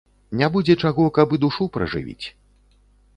Не будзе чаго, каб і душу пражывіць.